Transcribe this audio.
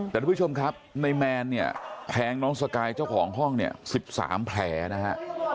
แต่ทุกผู้ชมครับในแมนเนี่ยแทงน้องสกายเจ้าของห้องเนี่ย๑๓แผลนะฮะ